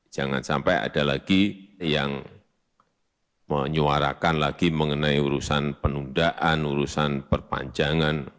jangan sampai ada lagi yang menyuarakan lagi mengenai urusan penundaan urusan perpanjangan